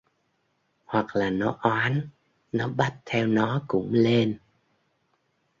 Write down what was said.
hoặc là nó oán nó bắt theo nó cũng lên